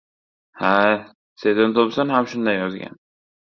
— Ha-a. Seton-Tompson ham shunday yozgan.